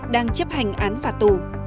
đang chấp hành án phạt tù